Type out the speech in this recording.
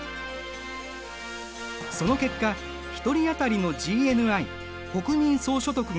その結果１人あたりのＧＮＩ国民総所得が高くなるんだ。